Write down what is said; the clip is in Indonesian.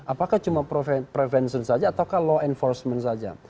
apakah cuma prevention saja atau law enforcement saja